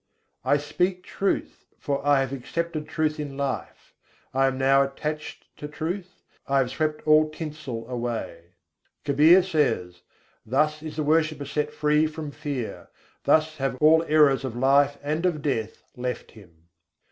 I speak truth, for I have accepted truth in life; I am now attached to truth, I have swept all tinsel away. Kabîr says: "Thus is the worshipper set free from fear; thus have all errors of life and of death left him."